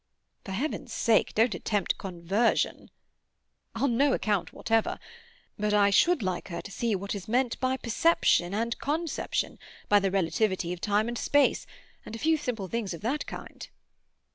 "For heaven's sake, don't attempt conversion!" "On no account whatever. But I should like her to see what is meant by perception and conception, by the relativity of time and space—and a few simple things of that kind!"